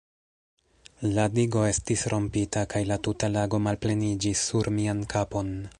La digo estis rompita, kaj la tuta lago malpleniĝis sur mian kapon.